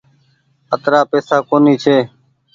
اترآ پئيسا ڪونيٚ ڇي۔